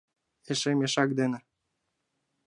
— Эше мешак дене...